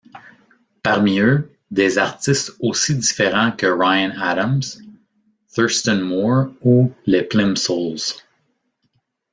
Parmi eux, des artistes aussi différents que Ryan Adams, Thurston Moore ou les Plimsouls.